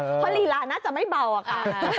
เพราะลีลาน่าจะไม่เบาอะค่ะ